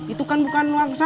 itu kan bukan uang saya